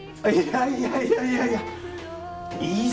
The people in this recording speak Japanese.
いやいやいやいやイス！